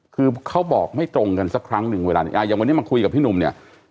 คือเขาบอกไม่ตรงกันสักครั้งหนึ่งเวลานี้อย่างวันนี้มาคุยกับพี่หนุ่มเนี่ย